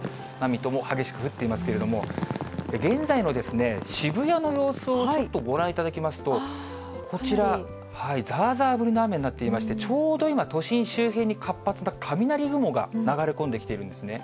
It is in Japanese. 水戸も激しく降っていますけれども、現在の渋谷の様子をちょっとご覧いただきますと、こちら、ざーざー降りの雨になっていまして、ちょうど今、都心周辺に活発な雷雲が流れ込んできているんですね。